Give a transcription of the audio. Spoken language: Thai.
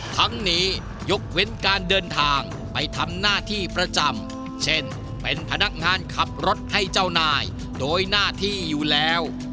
ทั้งนี้ยกเว้นการเดินทางไปทำหน้าที่ประจำเช่นเป็นพนักงานขับรถให้เจ้านายโดยหน้าที่อยู่แล้ว